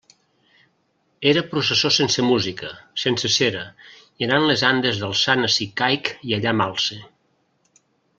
Era processó sense música, sense cera i anant les andes del sant ací caic i allà m'alce.